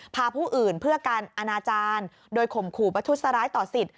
พาผู้อื่นเพื่อการอนาจารย์โดยข่มขู่ประทุษร้ายต่อสิทธิ